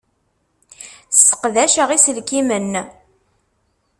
Sseqdaceɣ iselkimen.